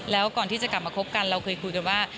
แล้วก่อนที่จะกลับมาคบกันเราเคยคุยกันว่า